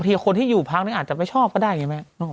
พี่ควรที่อยู่พักมันอาจจะไม่ชอบเพราะได้ไงแม่